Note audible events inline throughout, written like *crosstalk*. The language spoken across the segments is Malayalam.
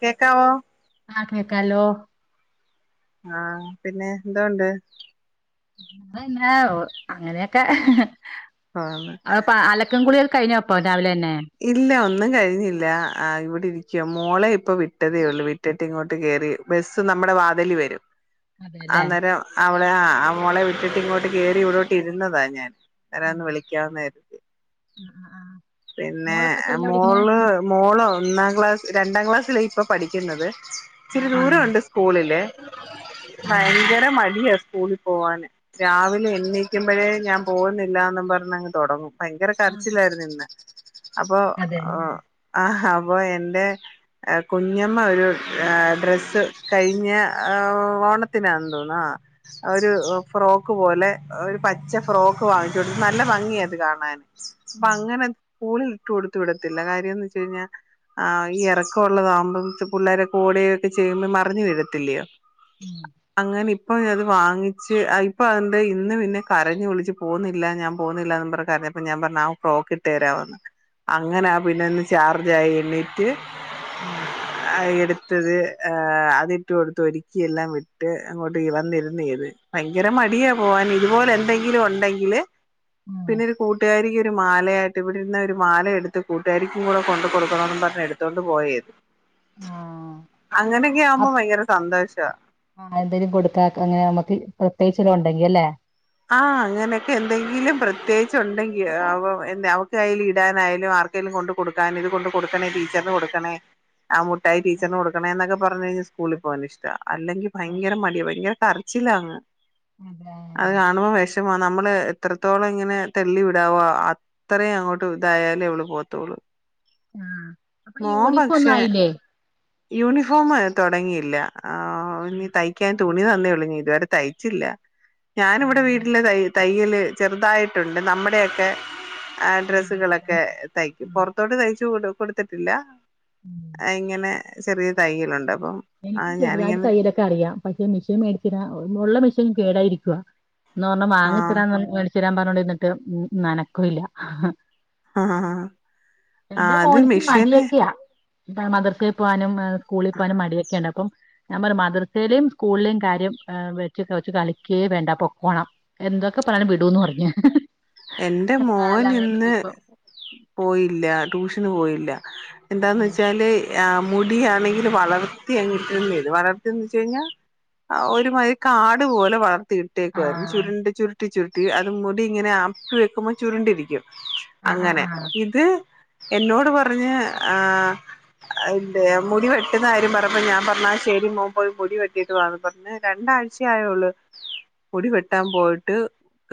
കേക്കാവോ ആഹ് കേക്കാലോ. ആഹ പിന്നെ എന്തോണ്ട് ഇല്ലാ അങ്ങനെയൊക്കെ ആന്ന് ആ ഇപ്പ അലക്കും കുളിയോ കഴിഞ്ഞോ അപ്പം രാവില തന്നെ ഇല്ല ഒന്നും കഴിഞ്ഞില്ല ആ ഇവിടെ ഇര് ക്ക മോളെ ഇപ്പ വിട്ടതേയുള്ളൂ വിട്ടിട്ട് ഇങ്ങോട്ട് കേറി ബസ്സ് നമ്മുടെ വാതില് വരും. അതെല്ലേ അന്നേരം അവിടെ ആ മോളെ വിട്ടിട്ട് ഇങ്ങോട്ട് കേറി ഇവിടോട്ട് ഇരുന്നതാ ഞാൻ. അന്നരരൊന്ന് വിളിക്കാന്ന് കരുതി ഉം ഉം ആഹ് പിന്നെ മോളിപ്പ എത്രയിലാ പഠിക്കണേ മോള് മോള് ഒന്നാം ക്ലാസ് രണ്ടാം ക്ലാസ്സിലാ ഇപ്പൊ പഠിക്കുന്നത് ഇച്ചിരി ആഹ് ദൂരൊണ്ട് സ്കൂളില് ആഹ് ഭയങ്കര മടിയാ സ് സ്കൂളി പോവാന് രാവിലെ എണീക്കുമ്പഴേ ഞാൻ പോകുന്നില്ലാന്നും പറഞ്ഞങ്ങ് തൊടങ്ങും ഭയങ്കര ആഹ് കരച്ചില്ലായിരുന്നു ഇന്ന് അപ്പൊ ആ അതെല്ലേ ആഹ് അപ്പൊ എന്റെ ആഹ് കുഞ്ഞമ്മ ഒരു ഏഹ് ഡ്രസ്സ് കഴിഞ്ഞ ആഹ് ഓണത്തിന് ആ തോനുന്നു ആഹ് അ ഒരു ഫ്രോക്ക് പോലെ ഒരു പച്ച ഫ്രോക്ക് വാങ്ങിച്ചു കൊടുത്ത് നല്ല ഭംഗിയാ അത് കാണാൻ അപ്പൊ ആഹ് അങ്ങനെ സ്കുളിൽ ഇട്ട് കൊടുത്ത് വിടത്തില്ല കാര്യംന്ന് വെച്ച് കഴിഞ്ഞാ ആ ഈ ഇറക്കം ഉള്ളതാകുമ്പോം പിള്ളോരൊക്കെ ഓടികക്കെ ചെയ്യുമ്പോ മറിഞ്ഞു വീഴത്തില്ലയോ ഉം അപ്പൊ അത് വാങ്ങിച്ച് ഇപ്പൊ അതിന്റെ ഇന്ന് പിന്നെ കരഞ്ഞു വിളിച്ച് പോകുന്നില്ല ഞാൻ പോകുന്നില്ലാന്ന് പറ കര ഞ്ഞപ്പോ ഞാൻ പറഞ്ഞ് ആ ഫ്രോക്ക് ഇട്ട് തരാവന്ന് അങ്ങനാ ആ പിന്നെ ഒന്ന് ചാർജ് ആയി എണീറ്റു ആഹ് അ എടുത് ത്തത് ആ അതിട്ട് കൊടുത്ത് ഒരുക്കി എല്ലാം വിട്ട് അങ്ങോട്ട് വന്നിരുന്നേത് ഭയങ്കര മ ടിയാ പോവാൻ ഇതുപോലെ എന്തെങ്കിലും ഉണ്ടെങ്കിൽ ഉം പിന്നെ ഒരു കൂട്ടുകാരിക്ക് ഒരു മാലയായിട്ട് ഇവിടിരുന്ന ഒരു മാല എടുത്ത് കൂട്ടുകാരിക്കും കൂടെ കൊണ്ട് കൊടുക്കണമെന്നും പറഞ്ഞ് എടുത്തോണ്ട് പോയേത് ആഹ് ആവുമ്പോ ഭയങ്കര സന്തോഷവാ ആഹ് എന്തേങ്കിലും കൊടുക്കാ അങ്ങനെ നമ്മക്ക് പ്രത്യേകിച്ച് ഓരോണ്ട് തുടങ്ങിയല്ലേ *unintelligible* ആഹ് അങ്ങനെയൊക്കെ എന്തെങ്കിലും പ്രത്യേകിച്ച് ഉണ്ടെങ്കി അപ്പൊ അവ ന്നേ അവ കയ്യിൽ ഇടാനായാലും ആർക്കെലും കൊണ്ട് കൊടുക്കാൻ ഇത് കൊണ്ട് കൊടുക്കണേ ടീച്ചറിന് കൊടുക്കണേ ആ മുട്ടായി ടീച്ചറിന് കൊടുണേന്നൊക്കെ പറഞ്ഞു കഴിഞ്ഞാൽ സ്കൂളിൽ പോകൻ ഇഷ്ട അല്ലെങ്കി ഭയങ്കര മടിയ ഭയര കര ച്ചിലാങ്ങ് അതാ അത് കാണുമ്പോൾ വിഷമ നമ്മള് എത്രത്തോളം ഇങ്ങനെ തെള്ളിവിടാമോ അത്രയും അങ്ങോട്ടു ഇതായാലും ലെയുള്ളു പോത്തോളു ആഹ് അപ്പൊ മോൻ യൂണിഫോം ഒന്നും പക്ഷേ ആയില്ലേ യൂണിഫോമ് തുടങ്ങിയില്ല ആ ഇനി തയ്ക്കാൻ തു ണി തന്നെ ഉള്ളു ഞാ ഇത് വരെ തയ്ച്ചില്ല ഞാൻ ഇവിടെ വീട്ടില് തയ് തയ് യ്യല് ചെറുതായിട്ടുണ്ട് നമ്മുടെയൊക്കെ ആ ആഹ് ഡ്രസ്സുകളൊക്കെ അത്യാവശ്യം തയ്ക്കും ഉം പൊറത്തോട്ട് തയ്ച്ചു കൊടു കൊടുത്തിട്ടില്ല ഉം ഇങ്ങനെ ചെറിയ തയ്യലുണ്ട് അപ്പം ആ എനിക്ക് ചെറുതായിട്ട് ഞാനിങ്ങനെ തയ്യലൊക്കെ അറിയാം പക്ഷെ മെഷീൻ മേടിച്ചിടാ ഉള്ള മെഷീനും കേടായിരിക്കുവ എന്നാ ഒരെണ്ണം ആ വാങ്ങിത്തരാന്ന് മേടിച്ച് തരാൻ പറഞ്ഞോണ്ടിരുന്നിട്ട് ന്നനക്കമില്ല ആഹ് ആ എന്റെ അത് മോനിക്കും മിഷന് മടിയൊക്കെയാ മദർസേ പോവാനും സ്കൂളി പോവാനും മടിയ ക്കെണ്ട് അപ്പം ഞാൻ പറഞ്ഞ് മദ്രസയിലേം സ്കൂളിലെയും കാര്യം വെച്ച് കളിക്കേ വേണ്ട പൊക്കോണം എന്തൊക്കെ പറഞ്ഞാലും വിടൂന്ന് പറഞ്ഞ് എന്റെ മോൻ ഇന്ന് പോയില്ല ട്യൂഷന് പോയില്ല എന്താന്ന് ഉം വെച്ചാല് ആ മുടിയാണെങ്കിൽ വളർത്തി അങ്ങിട്ടിരുന്നേത് വളർത്തിയെന്ന് വെച്ച് കഴിഞ്ഞാൽ ഒരുമാതി കാട് പോലെ വളർത് ത്തീട്ടേക്കുവായിരുന്നു ആഹ് ചുരുണ്ട് ചുരുട്ടി ചുരുട്ടി അത് മുടി ഇങ്ങനെ ആപ്പി വെക്കുമ്പോൾ ചുരുണ്ടിരിക്കും ആഹ് അങ്ങനെ ആഹ് ആഹ് ഇത് എന്നോട് പറഞ്ഞ് ആഹ് എന്തെ മുടി വെട്ടുന്ന കാര്യം പറഞ്ഞപ്പോ ഞാൻ പറഞ്ഞ് ആ ശെരി മോൻ പോയി മുടി വെട്ടിട്ട് വാന്ന് പറഞ്ഞ് രണ്ടാ ഴ്ച ആയെ ഉള്ള് മുടി വെട്ടാൻ പോയിട്ട്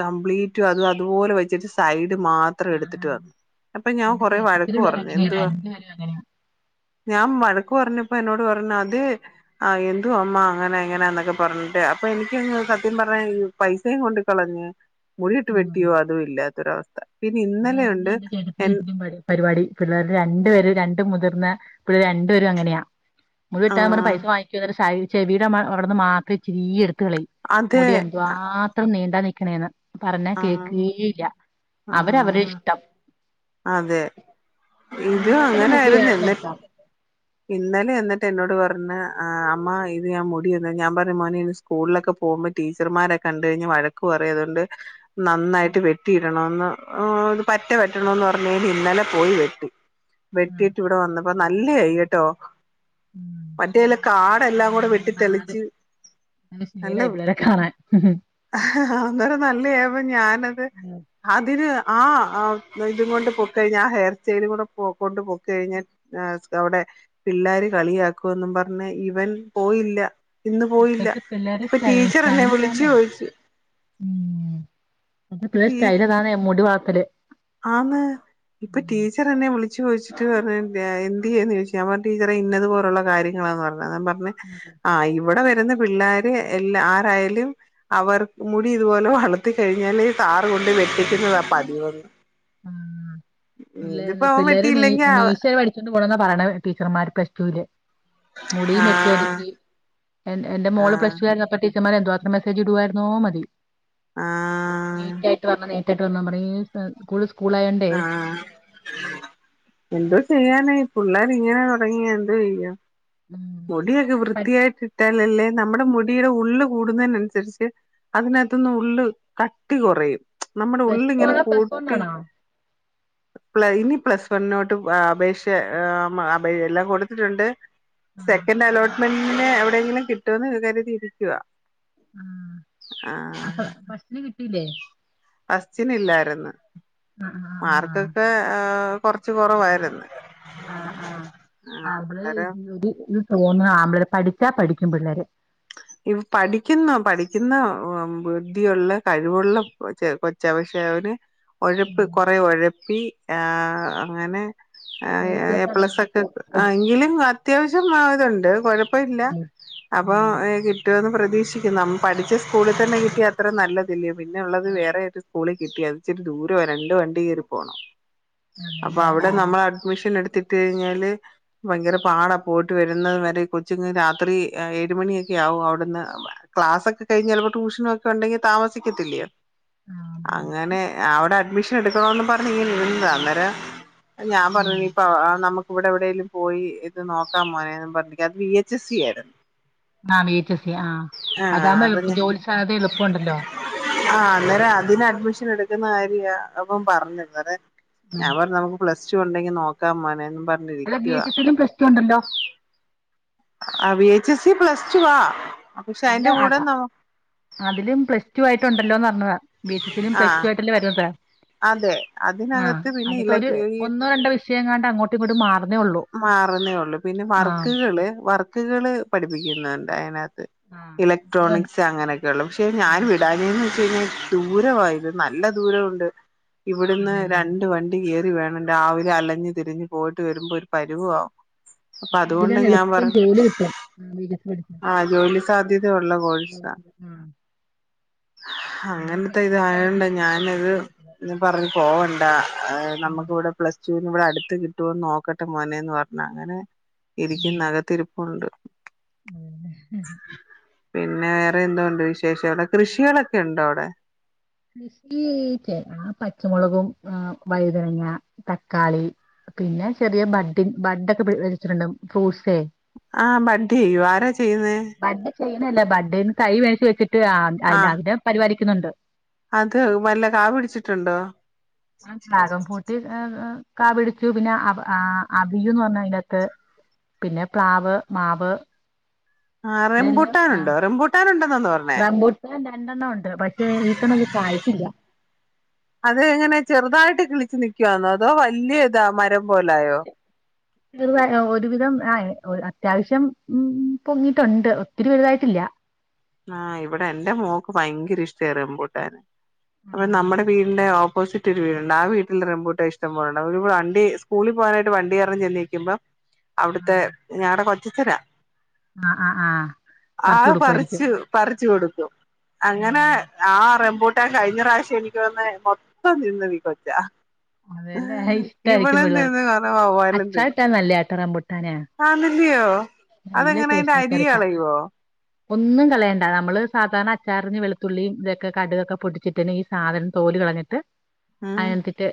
കമ്പ്ലീറ്റും അത് അതുപോലെ വെച്ചിട്ട് സൈഡ് മാത്രം ആഹ് എടുത്തിട്ട് വന്നു അപ്പൊ ഞാൻ എന്റെ കൊറെ ചേട്ടത്തിയുടെ വഴക്ക് പിള്ളേര് പറഞ്ഞു അങ്ങനെയാ എന്തുവാ രണ്ടുപേരും അങ്ങനെയാ. ഞാൻ വഴക്ക് പറഞ്ഞപ്പ എന്നോട് പറഞ്ഞ് അത് എന്തുവാ അമ്മ അങ്ങനെ ഇങ്ങനാന്നൊക്കെ പറഞ്ഞിട്ട് അപ്പൊ എനിക്ക് സത്യം പറഞ്ഞഈ പൈസയും കൊണ്ട് കളഞ്ഞഞ് മുടിയിട്ട് വട്ട ഉം ഇല്ലാത്തൊരവസ്ഥ ഇന്നലെയുണ്ട് എന്റെ എൻ ചട്ട പരിപാടി പിള്ളേർ രണ്ടു പേര് രണ്ട മുതിർന്ന ഇ രണ്ടുേരും അങ്ങനെയാ മുഴുവ വട്ടാൻ പറഞ്ഞ ആഹ് പൈസ വാങ്ങിക്കുവ ചെവിയുടെ അവിടന്ന് മാത്രമേ ഇിരി എടുത്ത കളി അതെ മുടി എന്തു മാത്രം നീണ്ടാ നൽക്കണേന്ന് പറഞ്ഞാ ആഹ് കേക്കയില്ല അവര അവരു ആഹ് ഇഷ്ടം അതെ ഇത് പെൺപിള്ളേർക്ക് പിന്നെ മുടി അങ്ങനൊയിരുന്നു വേണം എന്നി നിർത്താം ഇന്നലെ എന്നിട്ട് എന്നോട് പറഞ്ഞ അമ്മ ഇത് ഞാൻ മുടി വന്ന ഞാൻ പറഞ്ഞു മോന സ്കൂളിലൊക്കെ പോകുമ്പോ ടീച്ചർമാരെ കണ്ട കഴിഞ്ഞ് വഴക്ക് പറയും അതുകൊണ്ട് നന്നായിട്ട് വെട്ടിയിടണന്ന് ഇത് പറ്റ പറ്റണന്ന് പറഞ്ഞ കൽ ഇന്നലെ പോയി വെട്ടി വെട്ടിട്ട് ഇവിടെ വന്നപ്പോ നല്ല വെയിട്ടോ മറ്റേല്ലേ കാടെല്ലാം വെട്ടി അത് തെളിച്ച് നല്ല ശീലായി പിള്ളേരെ കാണാൻ അന്നേരം നല്ലായപ്പോ ഞാനത് ഉം. അതിന് ആ അ ഇതും കൊണ്ട് പോക്കഴിഞ്ഞ ആ ഹെയർ സ്റ്റെലും കൂടെ പോ കൊണ്ട് പോക്കകഴിഞ്ഞ അവടെ പിള്ളാര് കളിയാക്കുന്ന് പറഞ്ഞ് ഇവൻ പോയില്ല ഇന്ന് പോയില്ല ഇപ്പത്തെ പിള്ളേരെ ഇപ്പൊ ടീച്ചറ് എന്നെ സ്റ്റൈല് വിളിച്ച് താനേ ചോയിച്ച് ഉം ഇപ്പളെ സ്റ്റൈല് ഇതാണെ മുടി വളർത്തല് വിളിച്ച് ചോയ്ച്ചിട്ട് പറഞ്ഞ് എന്ത്‌യ്യെന്നു ചോയിച്ചു ഞാൻ പറഞ്ഞ് ടീച്ചറെ ഇന്നത് പോലുള്ള കാര്യങ്ങളാന്ന് പറഞ്ഞ് ത്താനം പറഞ്ഞ് ആ ഇവടെ വ ര്ന്ന പിള്ളേര് എല്ല ആരായാലും അവർ മുടി ഇതുപോലെ വളർത്തി കഴിഞ്ഞാല് താറ് കൊണ്ട് വെട്ടിക്കുന്നതാ പതിവ് ഉം പിള്ളേര് അവൻ പിള്ളേര് മീ വെട്ടിയില്ലെങ്കി ആ മീശ വടിച്ചോണ്ട് പോണ്‌ന്നാ പറയ്ണ ടീച്ചറ്മാര് പ്ലസ് ടുല് മുടിയും ആ വെട്ടി ഒതുക്കി എൻ എന്റെ ആ മോള് പ്ലസ് ടു കഴിഞ്ഞപ്പോ ടി ച്ചറ്മാര് എന്തോ മാത്രം മെസ്സേജിട് വായിരുന്നോ മതി ആ നീറ്റായിട്ട് വരണം നീ റ്റായിട്ട് വന്നാപറിം ഏ സ്കൂള് സ്കൂളായോണ്ടേ ആ എന്ത്‌ ചെയ്യാനേ പിള്ളേര് ഇങ്ങനെ തോടങ്ങിയ എന്തോയെയ്യും ഉം മുടിയൊക്കെ വൃത്തിയായിട്ട് ഇട്ടാ ലല്ലേ നമ്മടെ മുടിയുടെ ഉള്ള് കൂടുന്നേനനുസരിച്ച് അതിനത്ത് ന്ന് ഉള്ള് കട്ടി കൊറയും നമ്മുടെ പ്ലസ് ടു ഉള്ളിങ്ങനെ ആണോ പ്ലസ് വൺ കൂട്ടി ആണോ പ്ല ഇനി പ്ലസ് വണ്ണിനോട്ട് അപേക്ഷ അപ എല്ലാം കൊട്ത്തിട്ടുണ്ട് ആഹ് സെക്കൻഡ് അലോട്ട്മെന്റിന് എവിടെങ്കിലും കിട്ടുവേന്ന് കര്തിരിക്കുവാ ആ അപ്പോ ഫസ്റ്റില് കിട്ടില്ലേ ഫസ്റ്റിനില്ലായിര്ന്നു ആഹ് ആഹ് മാർക്കൊക്കെ കൊറച്ച് കൊറവായിര്ന്ന് ആ ആഹ് ആബള് അന്നേരം *unintelligible* തോന്നാ ആമ്പളര് പഠിച്ചാ പഠിക്കും പിള്ളേര് ഉ ഇ പഠിക്കുന്ന പഠിക്കുന്ന ബുദ്ധിയുള്ള കഴിവുള്ള കൊച്ച കൊച്ചാ പക്ഷെ അവ ന് ഒഴപ്പ് കൊറേ ഒഴപ്പി ഏ അങ്ങനെ എ എ കൂട്ടുകെട്ടാണെങ്കി പ്ലസൊക്കെ കൂട്ട് എങ്കിലും അത്യാവശ്യം മാ ഇതുണ്ട് കൊഴ പ്പ ഇല്ല ഉം അപ്പൊ ഉം കിട്ടോന്ന് പ്ര തീക്ഷിക്കുന്നു അവന് പഠിച്ച സ്കൂളിൽ തന്നെ കിട്ടിയ അത്രേ നല്ലതല്ലേ പിന്നെള്ളത് ആഹ് വേറെ ഏത് സ്കൂളി കിട്ടി അത്ച്ചിരി ദൂരാ രണ്ട് വണ്ടി കേറി പോണം അപ്പൊ അതേല്ലേ അവിടെ ആഹ് നമ്മള് അഡ്മിഷനെട്ത്ത് ത്ത് കഴിഞ്ഞാല് ഭയങ്കര പാടാ പോയിട്ട് വരുന്നത് വരെ ഈ കൊച്ച്ങ്ങൾ രാത്രി എ ട്ട് മണിയൊക്കെ ആവും അവിടുന്ന് ക്ലാസൊക്കെ കഴിഞ്ഞ് ചെലപ്പോ ട്യൂഷനൊക്കെണ്ടെങ്കി താമസിക്കത്തില്ല്യോ ആഹ് അതാണ് അങ്ങനെ അവിടെ അഡ്മിഷൻ എടുക്കണോന്ന് പറഞ്ഞ് ഇങ്ങനെ ഇരുന്നതാ അന്നേരം ഞാൻ പറഞ്ഞ് ഉം ഇപ്പ നമ് ക്ക് ഇവിടെ എവിടേലും പോയി ഇത് നോക്കാ മോനേന്ന് പറഞ്ഞ് അത് വി എച്ച് എസ്സി ആയിരുന്നു ആ വി എച്ച് സി ആ ആഹ് അതാവുമ്പോ എളുപ്പം ജോലി സാധ്യത എളുപ്പണ്ടല്ലോ ആ അന്നേരം അതിന് അഡ്മിഷനെട്ക്കുന്ന കാര്യ അവൻ പറഞ്ഞത് അതാ ഉം അവർ നമുക്ക് പ്ലസ് ടുണ്ടെങ്കി നോക്കാ മോനേന്ന് അല്ല വി എച്ച് സിയിലും പ്ലസ് ടു ഉണ്ടല്ലോ ആ വി എച്ച് എസി പ്ലസ് ടുവാ പക്ഷെ അല്ല അയിന്റെ അ കൂടെ അ- നമ അതിലും പ്ലസ് ടു ആയിട്ട് ഉണ്ടല്ലോന്ന്റ്ഞ്ഞതാ ബി എച്ച് സിയിലും ആ പ്ലസ് ടു ആയിട്ട്ല്ലേ വരു അത്രേ അതെ ആ അതിനകത്ത് പിന്നെ ഇല അതിനത്തൊര് ഈ ഒന്നോ രണ്ടോ വിഷയങ്ങാണ്ട് അങ്ങോട്ടും ഇങ്ങോട്ടും മാ മാറുന്നേ ഒള്ളു പിന്നെ വർക്ക്കള് വർക്ക്കള് പഠിപ്പിക്കുന്നുണ്ട് അതിനതിന ത്ത് ആഹ് അത് ഇലക്ട്രോണിക്സ് അങ്ങനെയൊക്കെള്ള പക്ഷെ ഞാൻ ആഹ് അതെ വിടാഞ്ഞേന്ന് വെച്ച്ഴിഞ്ഞാ ദൂരവാ ഇത് നല്ല ദൂരമുണ്ട് ഇവിടുന്ന് അതെല്ലേ രണ്ട് വണ്ടി കേ റി വേണം രാവിലെ അലഞ്ഞ് തിരിഞ്ഞ് പോയിട്ട് വരുമ്പോ ഒരു പരുവവാവും. പക്ഷെ അതിലാണ് എളുപ്പം ജോലി കിട്ടും *unintelligible* ആ ജോലി സാധ്യതയുള്ള കോഴ്സാ ആഹ് എന്റെ അങ്ങനത്തെ പെൺകുട്ടി ആയോണ്ട് ഇതയാണ്ട ഞാൻ പല ഞാന പ്രശ്നാ ഇത് പറഞ്ഞു പോകണ്ട ഉം നമ്മുക്കിവിടെ പ്ലസ് ടു ഇവിടെ അടുത്ത് കിട്ടുമോന്ന് നോക്കട്ടെ മോനേന്ന് പറഞ്ഞ അങ്ങനെ എനിക്ക്ന്ന കത്തിരിപ്പുണ്ട് ഉം പിന്നെ വേറെ എന്തോണ്ട് വിശേഷം. അവിടെ കൃഷികളൊക്കെ ഉണ്ടോ അവിടെ. കൃഷി ആ പച്ചമുളകും ആ വഴുതനങ്ങ, തക്കാളി, പിന്നെ ചെറിയ ബഡ് ബഡ് ഒക്കെ വെച്ചിട്ടുണ്ട് ഫ്രൂട്ട്സെ ആ ബഡി ചെയ്യു ആരാ ചെയ്യുന്നേ ബഡ് ചെയ്യുന്നല്ല ബഡന്ന് തൈ മേടിച്ച് വെച്ചിട്ട് അ ആഹ് അതിനം പരിപാലിക്കുന്നുണ്ട്. അത് വല്ല കാ പിടിച്ചിട്ടുണ്ടോ. ആ ഡ്രാകം പൂട്ട് ആ ആ ക പിടിച്ചു പിന്നെ ആ അവിയന്ന് പറഞ്ഞ അതിന്റെകത്ത് പിന്നെ പ്ലാവ്, മാവ് ആ റെംമ്പൂട്ടാൻ ഉണ്ടോ റംബൂട്ടാനണ്ടോ റബൂട്ട രണ്ടെണ്ണം ഉണ്ട്. പക്ഷെ എക്കണം അത് കായിച്ചില്ല. അത് എങ്ങനെ ചെറുതായിട്ട് കിളിച്ച് നിക്കുവാന്നോ അതോ വലിയ ഇതാ മരം പോലായോ. ചെറുതായി ഒരുവിധം ആ അത്യാവശ്യം ഉം പൊങ്ങിയിട്ടുണ്ട്. ഒത്തിരി വെലുതായിട്ടില്ല. ആഹ് ഇവിടെ എന്റെ മോക്ക് ഭയങ്കര ഇഷ്ടമാ റമ്പൂട്ടാന്. ആ അപ്പൊ നമ്മുടെ വീടിന്റെ ഓ പോസിറ്റ് ഒരു വീട്ണ്ട്. ആ വീട്ടിലെ റംബൂട്ട ഇഷ്ട പോലണ്ട്, ഒരു വണ്ടി സ്കൂളിൽ പോനായിട്ട് വണ്ടി കറന്ന് ചെന്നിക്കുമ്പം അവിടുത്തെ ഞടെ കൊച്ചച്ചനാ ആ ആ ആ പറിച്ച് കൊടുക്കുവായിരിക്കും. ച്ച് പറിച്ച് കൊടുക്കും അങ്ങനെ ഉം ആ റംബു ട്ട കഴിഞ്ഞ പ്രാവശ്യം എനിക്ക് വന്ന് മൊത്തം തിന്ന് നീ കൊച്ച അനല്ല ഇഷ്ട ആരിക്കും ഇവളും പിള്ളേർക്ക് അച്ചാറ്ട്ടാ നല്ല റമ്പൂട്ടാന്. ആന്നില്ലയോ അതെങ്ങനെ അതിന്റെ അരി അച്ചാറിട്ടാ കളയുവോ. ഒന്നും കളയണ്ട നമ്മള് സാധാരണ അച്ചാറിന് വെളുത്തുള്ളിയും ഇതൊക്കെ കടുകൊക്കെ പൊട്ടിച്ചിട്ടിന് ഈ സാധനം തോലും കളഞ്ഞിട്ട് ഉം അതിനത്തിട്ട്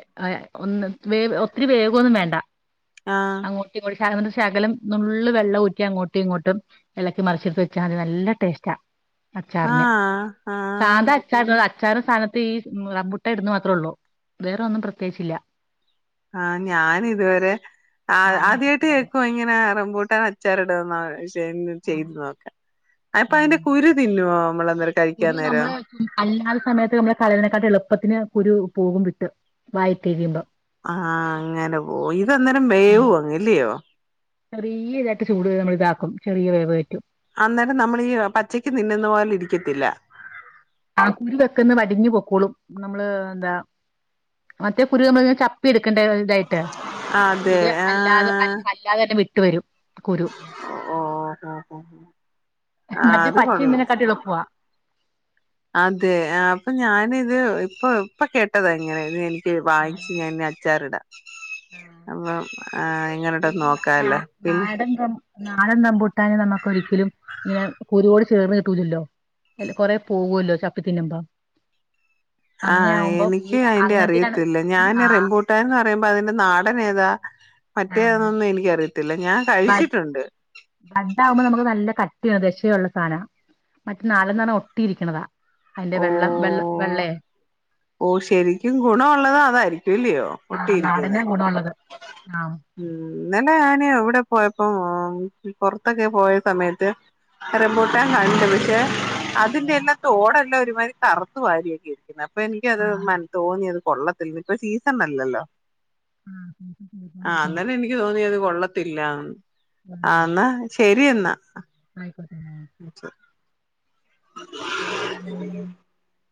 ഒന്ന് വേ ഒത്തിരി വേവൊന്നും വേണ്ട. ആഹ് അങ്ങോട്ട് ഇങ്ങോ ശകലം നുള്ള് വെള്ള ഊറ്റി അങ്ങോട്ടും ഇങ്ങോട്ടും ഇലക്കി മറിച്ചിട്ട് വെച്ചാൽ മതി നല്ല ടേസ്റ്റാ. അച്ചാറിന്, ആഹ് ആഹ് സാധാ അച്ചാറിട അച്ചാറ് സ്ഥാനത്ത് ഈ റബ്ബുട്ട ഇടന്ന് മാത്രേ ഉള്ളൂ. വേറെ ഒന്നും പ്രത്യേകിച്ചില്ല. ആ ഞാന് ഇതുവരെ ആ മാങ്ങയൊക്കെ ആദ്യമായിട്ട് പോലെന്നെ കേക്കുവാ ഇങ്ങനെ റംപൂട്ടാൻ അച്ചാറി ടും നോ ചെയ് ചെയ്തുനോക്ക, അപ്പ അതിന്റെ കുരു തിന്നോ ഒരു നമ്മളെ അല്ലാത്ത സമയത്ത് നമ്മുടെ കലനെക്കാട്ട എള് പ്പത്തിന് കുരു പോകും വിട്ട് വായിത്തേക്കിയുമ്പം. ആഹ അങ്ങനെ പോ ഇതനേരം ഉം. വേവ് അങ്ങല്ലയോ ചെറിയ ഇതായിട്ട് ചൂട് നമ്മൾ ഇതാക്കും ചെറിയ വേവ പറ്റും. അന്നേരം നമ്മളീ പച്ചക്ക് തിന്നുന്ന പോലല ഇരിക്കത്തില്ല. കുരു വെക്കന്ന് വടിഞ്ഞ് പൊക്കോളും നമ്മള് എന്താ മറ്റേ കുരൂ നമ്മൾ ചപ്പി ഇടു ണ്ടെ ഇതായിട്ട് അതെ ഇത് ആ അല്ലാതെ അല്ലാതെ തന്നെ വിട്ട് വരും. കുരു ഓ ഓ ആഹ മറ്റേ അത് പച്ച കൊള്ളാ തിന്നുന്നതിനെക്കാട്ടി എളുപ്പവാ അതെ അപ്പൊ ഞാനിത് ഇപ്പ ഇപ്പൊ കേട്ടത എങ്ങനെയക്ക് വാങ്ങിചു ഞാൻന്നെ അച്ചാറിടാം അപ്പം ആ ഇങ്ങനട്ടോ ഈ നോക്കാല്ലേ പിൻ ആടം റമ്പൂട്ടെ നമുക്ക് ഒരിക്കലും ഇങ്ങനെ കുരുടി ചേർന്ന് കിട്ടൂലല്ലോ അല്ല കൊറെ പോകല്ലോ ചപ്പി തിന്നുമ്പ ആ എനിക്ക് അതിന്റെ അങ്ങനത്തെക്കാണ് അറിയത്തില്ല ഞാൻ ആഹ് റെമ്പൂട്ടന്ന് പറയുമ്പോ അതിന്റെ നാട ടനെതാ ആഹ് മറ്റേന്നൊന്നും എനിക്കറിയത്തില്ല ഞാൻ ബ കഴിച്ചിട്ടുണ്ട് ദശ ഉള്ള സാധന മറ്റ നാടൻ ന്ന് പറഞ്ഞ ഒട്ടിയിരിക്കണതാ അതിന്റെ ഓ വെള്ളം വെള്ള വെള്ളയെ ഓ ശരിക്കും ഗുണം ഉള്ളത് അതായിരിക്കും ല്ലയോ ആഹ് ഒട്ടിയിരിക്കുന്ന നാടനാ ഗുണമുള്ളത് ആഹ് ഉ ഇന്നലെ ഞാന് ഇവിടെ പോയപ്പോം പുറത്തൊക്കെ പോയ സമയത്ത് റെബോട്ടാൻ കാണ്ട് പക്ഷെ അതിന്റെ എല്ലാം തോടല്ലാം ഒരുമാതിരി കറുത്ത് വാരിയൊക്കെ ഇരിക്കുന്നു അപ്പൊ എനിക്കത് ആഹ് മ തോന്നിയത് കൊള്ളത്തിപ്പ സീസൺല്ലല്ലോ ആ ആഹ് അന്നെ എനിക്ക് തോന്നിയത് കൊള തില്ല ആ എന്നാ ശരി എന്ന ആയിക്കോട്ടെന്ന ഉ